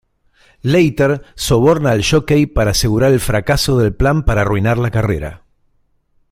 Leiter soborna al jockey para asegurar el fracaso del plan para arruinar la carrera.